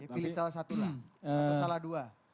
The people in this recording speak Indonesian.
pilih salah satu lah atau salah dua